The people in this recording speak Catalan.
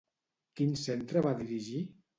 Quin centre va dirigir?